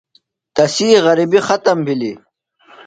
تسی غرِبیۡ ختم بِھلیۡ۔